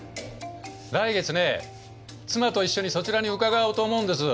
来月ね妻と一緒にそちらに伺おうと思うんです。